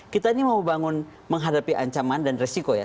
kita ini mau bangun menghadapi ancaman dan resiko ya